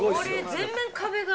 全面壁が。